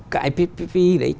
cái ppp đấy